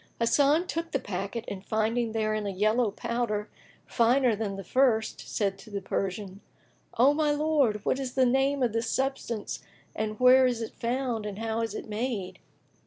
Hasan took the packet and finding therein a yellow powder, finer than the first, said to the Persian, "O my lord, what is the name of this substance and where is it found and how is it made?"